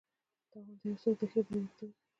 تا غوندې یو څوک د ښې بېلګې په توګه وښیي.